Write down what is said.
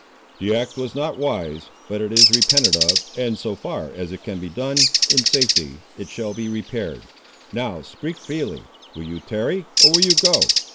"The act was not wise, but it is repented of; and so far as it can be done, in safety, it shall be repaired. Now, speak freely, will you tarry, or will you go?"